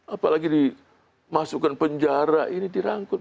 apalagi dimasukkan penjara ini dirangkul